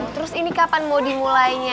terus ini kapan mau dimulainya